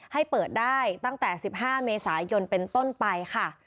ให้เปิดได้ตั้งแต่๑๕เมษายนเป็นต้นไปค่ะ